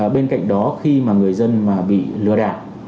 bên cạnh đó khi mà người dân mà bị lừa đảo